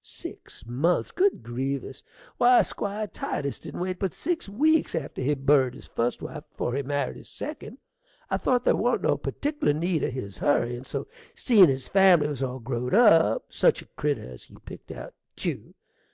Six months! Good grevious! Why, Squire Titus didn't wait but six weeks after he buried his fust wife afore he married his second. I thought ther' wa'n't no partickler need o' his hurryin' so, seein' his family was all growed up. Such a critter as he pickt out, tew!